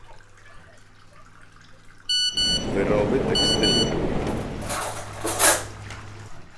Wyroby tekstylne